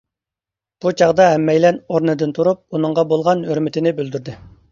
بۇ چاغدا ھەممەيلەن ئورنىدىن تۇرۇپ ئۇنىڭغا بولغان ھۆرمىتىنى بىلدۈردى.